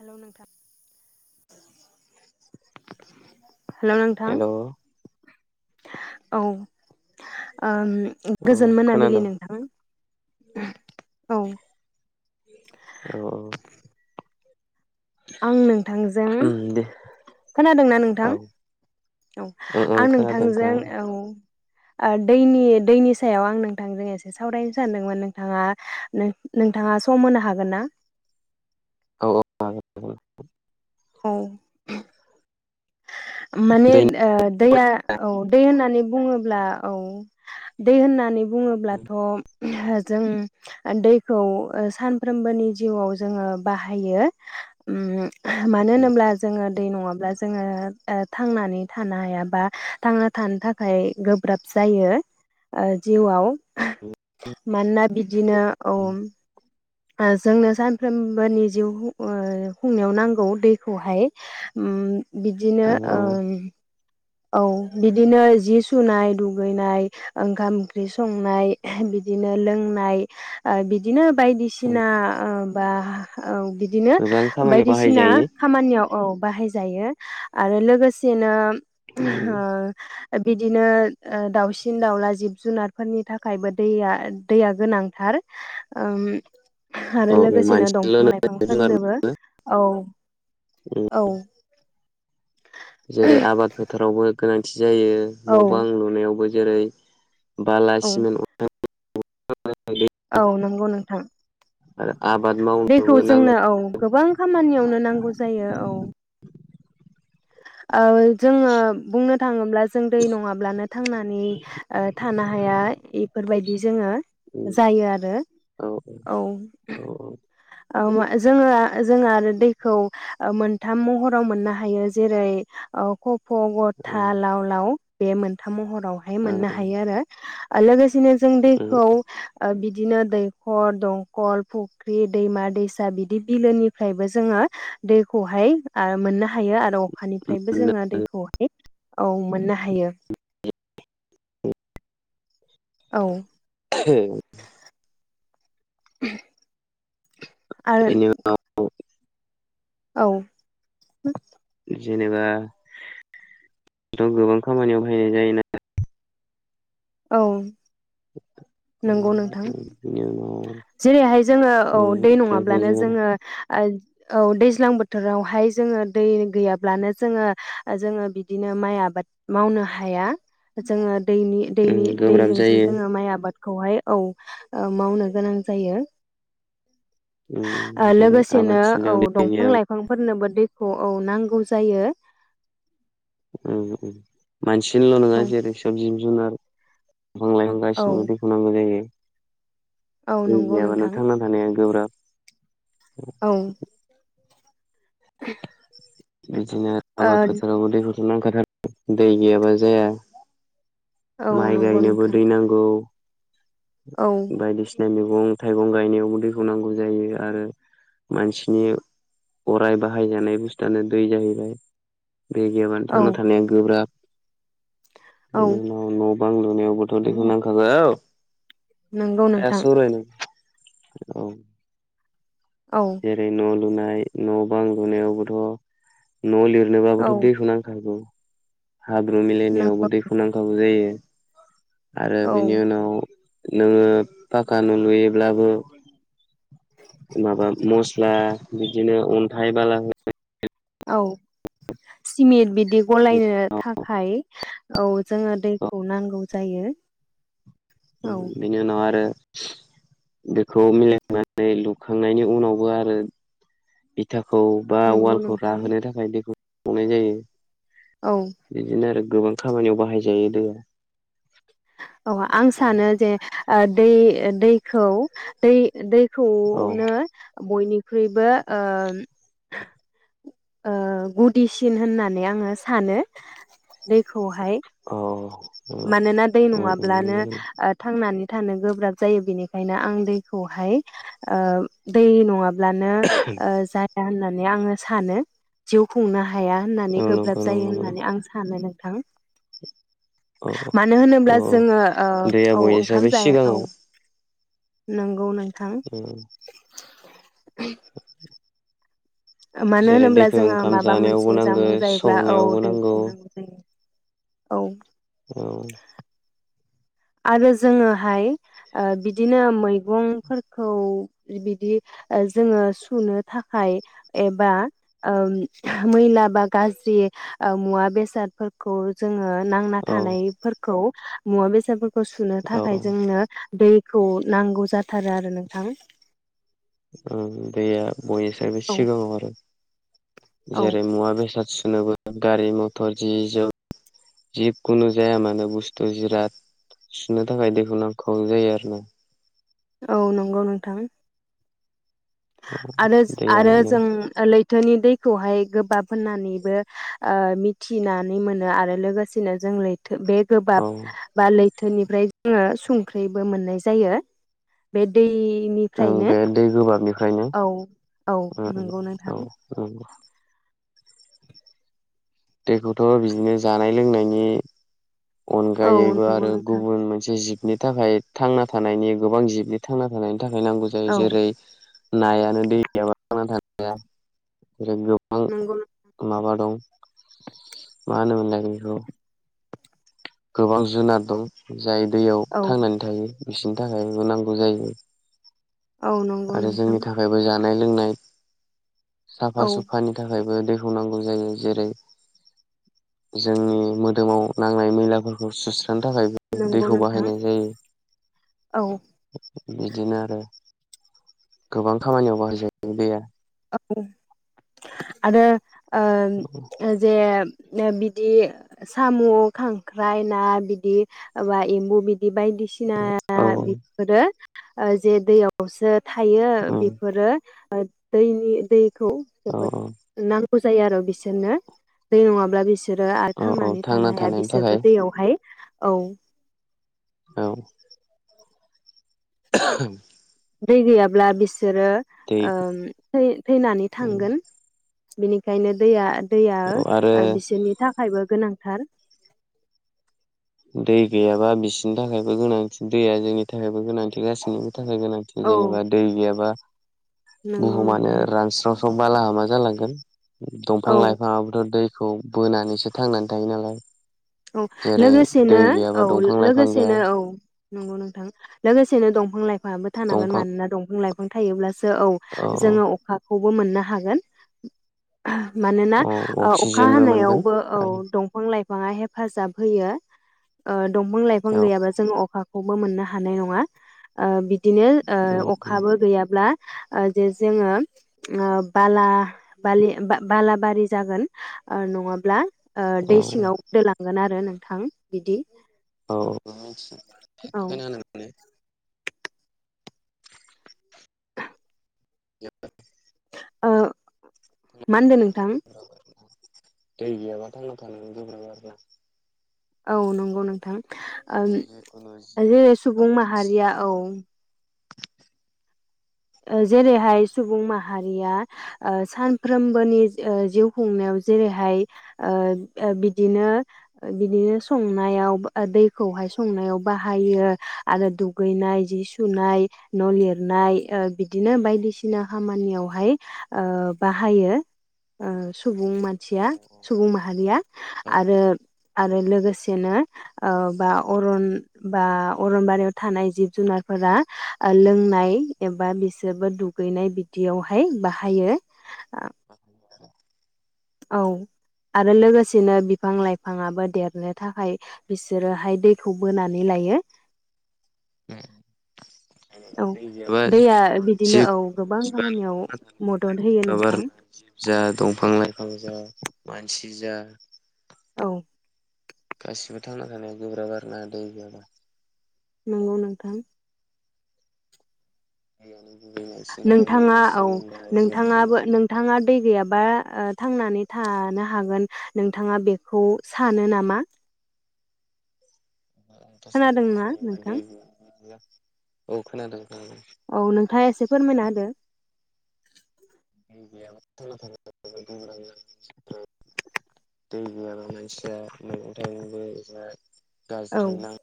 Hello नोंथां hello नोंथां hello औ औ ओम गोजोन मोनाबिलि खोनादों नोंथाङा। औ। औ औ। आं नोंथांजों उम दे खोनादोंना नोंथां औ औ ओं ओं आं खोनादों नोंथांजों खोनादों औ ओ दैनि दैनि सायाव आं नोंथांजों एसे सावरायनो सानदोंमोन। नोंथाङा नों नोंथाङा सम होनो हागोन ना? औ औ [inaudible] औ माने दैनि ओ दैया औ दै होननानै बुङोब्ला औ दै होननानै बुङोब्लाथ' [unintelligible] जों दैखौ सानफ्रोमबोनि जिउआव जोङो बाहायो उम [unintelligible] मानो होनोब्ला जोङो दै नङाब्ला जोङो ओ थांनानै थानो हायाबा थांना थानो थाखाय गोब्राब जायो ओ जिउआव मानोना बि दिनो औम आ जोंनो सानफ्रोमबोनि जिउ ओ खुंनायाव नांगौ दैखौहाय उम बिदिनो औ ओ औ औ बिदिनो जि सुनाय दुगैनाय ओंखाम ओंख्रि संनाय बिदिनो लोंनाय ओ बिदिनो बायदिसिना ओ बा ओ बिदिनो गोबां खामानियाव बायदिसिना बाहायजायो खामानियाव औ बाहाय जायो आरो लोगोसेनो ओ बि दिनो ओ दाउसिन दाउला जिब जुनारफोरनि थाखायबो दैया दैया गोनांथार ओम आरो औ लोगोसेनो मानसिल' दंफां नङा जिब जुनार लाइफांफोरनोबो औ औ जेरै आबाद फोथारावबो गोनांथि जायो औ न' बां लुनायावबो जेरै बाला औ सिमेन्ट [unintelligible] औ नंगौ नोंथां आरो आबाद दैखौ मावनोबो जोंनो नांगौ औ गोबां खामानियावनो नांगौ जायो औ ओइ जोङो बुंनो थाङोब्ला जों दै नङाब्लानो थांनानै ओ थानो हाया इफोरबाय दि जोङो जायो आरो औ औ औ ओं मा जोङो जोंङा आरो दैखौ मोनथाम महराव मोननो हायो जेरै ओ ख फ औ गथा लाव लाव बे मोनथाम महर रावहाय औ मोननो हायो आरो आललागोस दिनो जों औ दैखौ ओ बि दिनो दैखर दंखल फुख्रि दैमा दैसा बिदि बिलोनिफ्रायबो जोङो दैखौहाय मोननो हायो आरो अ अखानिफ्रायबो जोंना दैखौहाय औ मोननो हायो औ [unintelligible] [unintelligible] आरो बेनि उनाव औ जेनेबा थ' गोबां खामानियाव बाहायनाय जायोना औ नंगौ नोंथां बिनि उनाव जेरैहाय जोङो औ दै नङाब्लानो जोङो ओ औ दैज्लां बोथोरावहाय जोङो दै गैयाब्लानो जोङो ओ जोङो बिदिनो माइ आबाद मावनो हाया जोङो दैनि दैनि गोब्राब दैजोंसो जायो जोङो माइ आबा बादखौहाय औ ओ मावनो गोनां जायो ओ जेरै लोगोसेनो औ आबादथिलियाव दै दंफां लाइफांफोरनोबो दैखौ औ नांगौ जायो उम मानसिनोल' नङा औ जेरै सबजि जुनार बिफां लाइफां औ गासिनोबो दैखौ नांगौ जायो औ दै नंगौ गैयाबानो नोंथां थांना थानाया गोब्राब औ [unintelligible] बिदिनो आबाद ओ फोथारावबो दैहु [unintelligible] दै गैयाबा जाया औ माइ नंगौ गायनोबो नोंथां दै नांगौ औ बायदिसि मैगं थाइगं गायनायावबो दैखौ नांगौ जायो आरो मानसिनि अराय बा हायजानाय बुस्थुआनो दै जाहैबाय बे गैयाबानो औ थांना थानाया गोब्राब औ [unintelligible] बां लुनायावबोथ दैखौ नांखागौ औ नंगौ नोंथां औ औ जेरै न' लुनाय न'-बां लुनायावबोथ न' लिर औ नोबाबोथ' दैखौ नांथारगौ। हाब्रु नंगौ मिलायनायावबो दैखौ नांखागौ जायो। आरो औ बिनि उनाव नोङो पाक्क न' लुयोब्लाबो माबा मस्ला बिदिनो अन्थाइ बाला औ सिमेन्ट बिदि गलायनो थाखाय औ जोङो दैखौ नांगौ जायो। औ बि-बिनि उनाव आरो बेखौ मिलायनानै लुखांनायनि उनावबो आरो बिथा खौ बा नंगौ अवालखौ नोंथां राहोनो थाखाय दैखौ [unintelligible] जायो औ बिदिनो आरो। गोबां खामानियाव बाहायजायो दैया। औ आं सानो जे ओ दै ओ दैखौ दै औ दैखौनो बयनि ख्रुबो ओम ओ‌ गुदिसिन होननानै आङो सानो दैखौहाय। औ औ मानोना दै नङाब्लानो ओ थांनानै थानो गोब्राब जायो बिनिखायनो आं दैखौहाय ओ नङा ब्लानो ओ जा या होननानै आङो सानो जिउ खुंना हाया औ होननानै नंगौ गोब्राब जायो नंगौ नंगौ होननानै आं सानोरो नों थां औ मानो औ होनोब्ला जोङो ओ दैया औ ओंखाम बयनिसायबो जाया औ। सिगाङाव नोंगौ नों थां उम [unintelligible] ओ मानो जेरै होनोब्ला दैखौ जोङो ओंखाम माबा जानायावबो मोनसे नांगौ जामुं जायोब्ला औ संनायावबो दै नांगौ खौनांगौ जायो। औ औ आरो जोङोहाय ओ बिदिनो मैगंफोरखौ बिदि जोङो सुनो थाखाय एबा मैला बा गाज्रि मुवा बेसादफोरखौ जोङो नांना औ थानायफोरखौ मुवा बेसादफोर खौ सुनो औ थाखाय जोंनो दै खौ नांगौ जाथारो आरो नोंथां। ओं दैया बयनिसायबो औ सिगाङाव आरो। औ जेरै मुवा बेसाद सुनोबो गारि मथर जि जोम जिखुनु जाया मानो बुस्थु जिराद सुनो थाखाय दैखौ नांखाव जायो आरो ना। औ नंगौ नोंथां। औ आरो दैया आरो माने जों लैथोनि दै खौहाय गोबाब होनानैबो ओ मिथिनानै मोनो आरो लोगोसेनो जों लै बे औ गोबाब बा लै थोनिफ्राय जोङो संख्रिबो मोननाय जायो। बे दै ओ बे दै गोबाबनिफ्राय औ नंगौ नोंथां ओंखायनो औ दैखौथ' बिदिनो जानाय लोंनायनि औ अनगायैबो नंगौ आरो नोंथां गुबुन मोनसे जिब बिनि थाखाय थांना थानायनि गोबां जिबनि थांना थानायनि थाखाय नांगौ जायो औ जेरै नायानो दैया ा थाया जेरै गोबां नंगौ माबा दं मानोोमला बिखौ गोबां जुनार दं जाय दैयाव औ थांनानै थायो बिसोरनि थाखायबो नांगौ जायो औ नंगौ आरो नोंथां जोंनि थाखायबो ज जानाय लोंनाय साफा औ सुफानि थाखायबो जेरै जोंनि मोदोमाव नांनाय मैलाफोरखौ सुस थ थांनो थाखायबो नंगौ दैखौ नोंथां बाहायनाय औ जायो। बिदिनो आरो गोबां खामानियाव बाहाय जायोबाय दैया औ आद ओ जे बिदि साम' खांख्राइ ना बिदि मा एम्बु बिदि बाय बायदिसिना औ बेफोरो जे दैयावसो थायो उम बेफोरो आ दैनि दै खौ औ जोबोद नांग ब जायो आरो बिसोरनो दै नङाब्ला बिसोर बिसोरो आरो औ औ थांनानै थांना थानो हाया थानायनि थाखाय बिसोरबो दैयावहाय औ औ [unintelligible] दै गैयााबब्ला बि बिसोरो दै थैनानै थांगोन बिनिखायनो दैया दैया औ आरो ओ बिसोरनि थाखायबो गोनांथार दै गैयाबा बिसिनि थाखायबो गोनांथि दैया जोंनि थाखायबो गोनांथि गासिनिबो थाखाय गोनांथि औ जेनेबा दै गैयाबा नंगौ बुहुमानो नोंथां रानस्राव बालाहाबा जालांगोन। औ दंफां लाइफाङाबोथ दै खौ बोनानैसो थांनानै थायो नालाय। औ जेरै लोगोसे दै नो गैयाबा औ दंफां लाइफां गैया लोगोसेनो औ नंगौ नोंथां। लोगोसेनो दंफां लाइ फाङाबो थानांगोन दंफां मानोना दंफां लाइ थायोब्ला औ जोङो अखाखौ मोननो हागोन। मानोना औ ओ अखा अक्सिजेनबो मोनगोन हानायावबो औ आरो दंफां लाइफाङा हेब हेफाजाब होयो। ओ दंफां लाइफां औ गैयाबा जोंङो अखाखौबो मोननो हाय हानाय नङा। ओ बिदिनो ओ अखाबो गैयाब्ला ओ जे जोङो ओ बाला बालि बाला बारि जागोन ओ नङाब्ला ओ औ दै औ सिङाव लांगोन आरो नोंथां बिदि औ मिथिख औ [unintelligible] [unintelligible] ओ मा होनदो नोंथां? दैै गैयाबा थांना थानो गोब्राब जागोन ना। औ नंगौ नोंथां। जिखुनु ओ जिब जेरै बा सुबुं मानसि माहारिया औ ओ जेरैहाय सुबुं माहारिया ओ सानफ्रोमबोनि ओ जिउ खुंनायाव जेरैहाय ओ बिदिनो ओ बिदिनो संनायाव दैखौहाय संनायाव बाहायो आरो दुगैनाय जि सुनाय न लिरनाय ओ बिदिनो बाय दिसिना खामानियावहाय ओ बाहायो ओ सु सुबुं मानसिया सुबुं माहारिया आरो आरो लोगोसेनो ओ बा अरन बा अरनबारियाव थानाय जिब जुनारफोरा ओ लोंनाय एबा बिसोरबो दुगैनाय बिदियावहाय बाहायो। [unintelligible] औ आरो लोगोसेनो बिफां लाइफाङाबो देरनो थाखाय बिसोरोहाय दैखौ बोनानै लायो। उम औ दै गैयाबा दैया बिदिनो औ जिखुनु गोबां जिबानो खामानियाव थांना थानायनि थाखाय मदद होयो गोब्राब नोंथां आरो ना जिब जा दंफां लाइफां जा मानसि गिजा औ गासिबो थांना थानाया गोब्राब आर ना दै गैयाबा। नंगौ नोंथां। दैयानो गुबै मानसिनि थाखाय नोंथाङा औ गोनांसिन बा जिब नोंथाङाबो जुनार नोंथाङा दै गैयाबा ओ थांनानै थानो हागोन नोंथाङा बेखौ सानो नामा? खोनादोंना नोंथां [unintelligible] औ खोनादों। खोनादों औ नोंथाङा एसे फोरमायना होदो। [unintelligible] दै गैयाबा मानसिया मैगं थाइगंबो औ गाज्रि नां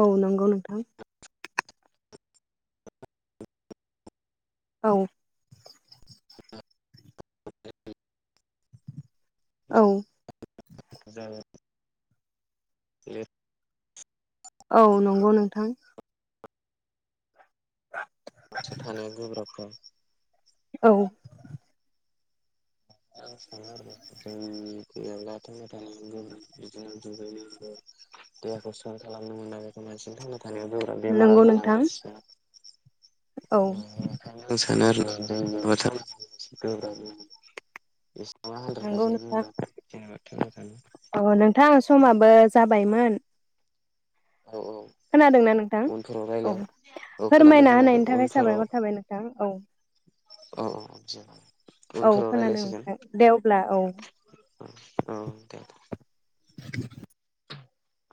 औ नंगौ नोंथां। औ [unintelligible] औ जाबाय [inaudible] औ नंगौ नोंथां। मानसि थानाया गोब्राब औ आं सानो आरो जोंनि गैयाब्ला थांना थानो बिदिनो दुगैनाय देहाखौ साफा खालामनो मोना बेखौ बांसिन थांना दानिया जबरा बेमार नंगौ आजारा नोंथां नार्सि [unintelligible] औ [unintelligible] आं सानो आरो नंगौ नोंथां [unintelligible] औ नोंथां समाबो जाबायमोन [unintelligible] खोनादोंना नोंथां उनफोराव औ रायलाय औ खोनादों फोरमायना खोनादों होनायनि थाखाय उनफोराव साबायखर थाबाय नोंथां औ। औ औ औ उनफोराव खोनादों रायज्लायसिगोन नोंथां दे अब्ला औ औ देे। [unintelligible] [unintelligible]